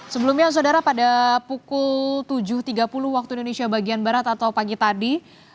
sebelumnya saudara pada pukul tujuh tiga puluh waktu indonesia bagian barat atau pagi tadi